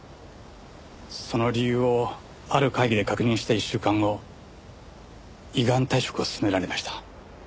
その理由をある会議で確認した１週間後依願退職を勧められました。